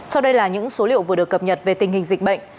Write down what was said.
sau đây là những số liệu vừa được cập nhật về tình hình dịch bệnh